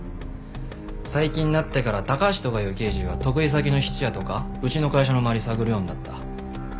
最近になってから高橋とかいう刑事が得意先の質屋とかうちの会社の周り探るようになった。